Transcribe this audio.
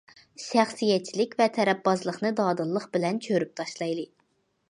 شەخسىيەتچىلىك ۋە تەرەپبازلىقنى دادىللىق بىلەن چۆرۈپ تاشلايلى.